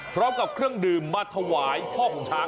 พร้อมกับเครื่องดื่มมาถวายพ่อของช้าง